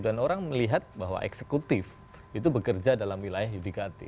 dan orang melihat bahwa eksekutif itu bekerja dalam wilayah yudikatif